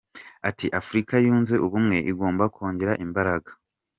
Ati”Afurika Yunze Ubumwe igomba kongera imbaraga”.